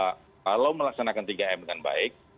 kalau melaksanakan tiga m dengan baik